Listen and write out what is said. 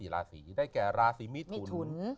ราศีได้แก่ราศีมิถุน